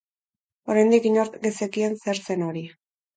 Oraindik inork ez zekien zer zen hori.